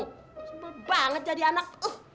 sumpah banget jadi anak